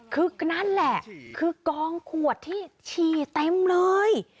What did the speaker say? คือนั่นแหละคือกองขวดที่ฉี่เต็มเลย